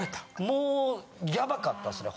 もうやばかったっすね。